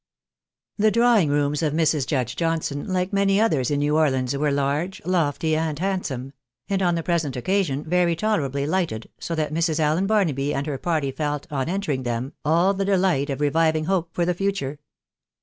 The drawing rooms of Mrs. Judge Johnson, like many others in New Orleans, were large, lofty, and handsome ; and, on the pre sent occasion, very tolerably lighted, so that Mrs. Allen Barnaby and her party felt, on entering them, all the delight of reviving hope for the future.